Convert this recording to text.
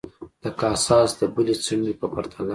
د کاساس د بلې څنډې په پرتله.